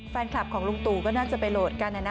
แฟนคลับของลุงตู่ก็น่าจะไปโหลดกันนะนะ